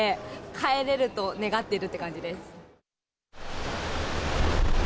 帰れると願ってるって感じです。